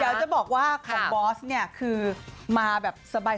เดี๋ยวจะบอกว่าของบอสเนี่ยคือมาแบบสบาย